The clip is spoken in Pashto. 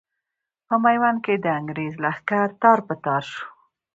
په ميوند کې د انګرېز لښکر تار په تار شو.